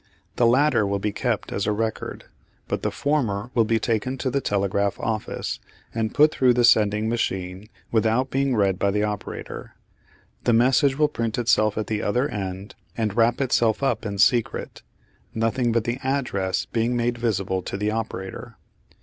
The latter will be kept as a record, but the former will be taken to the telegraph office and put through the sending machine without being read by the operator. The message will print itself at the other end and wrap itself up in secret, nothing but the address being made visible to the operator.